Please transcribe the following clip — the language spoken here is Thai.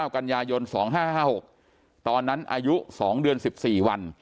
กันยายน๒๕๕๖ตอนนั้นอายุ๒เดือน๑๔วัน